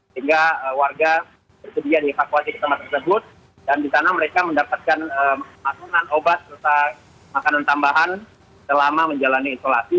sehingga warga bersedia dievakuasi ke tempat tersebut dan di sana mereka mendapatkan asunan obat serta makanan tambahan selama menjalani isolasi